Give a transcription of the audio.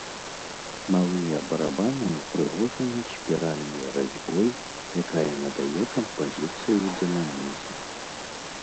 Малыя барабаны ўпрыгожаны спіральнай разьбой, якая надае кампазіцыі дынамізм.